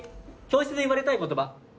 教室で言われたい言葉。